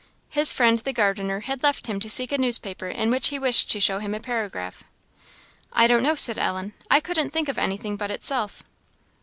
His friend the gardener had left him to seek a newspaper in which he wished to show him a paragraph. "I don't know," said Ellen "I couldn't think of anything but itself."